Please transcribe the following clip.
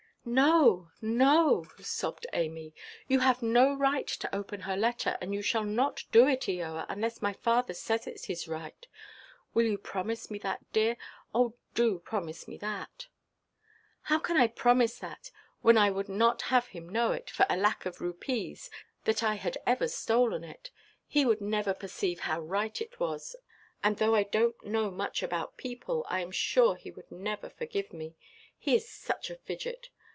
"No, no!" sobbed Amy, "you have no right to open her letter, and you shall not do it, Eoa, unless my father says that it is right. Will you promise me that, dear? Oh, do promise me that." "How can I promise that, when I would not have him know, for a lac of rupees, that I had ever stolen it? He would never perceive how right it was; and, though I donʼt know much about people, I am sure he would never forgive me. He is such a fidget.